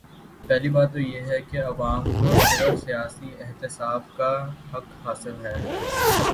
پہلی بات تو یہ ہے کہ عوام کو صرف سیاسی احتساب کا حق حاصل ہے۔